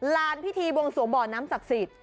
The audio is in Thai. ลานพิธีบวงสวงบ่อน้ำศักดิ์สิทธิ